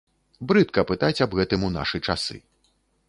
Брыдка пытаць аб гэтым у нашы часы.